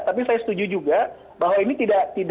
tapi saya setuju juga bahwa ini tidak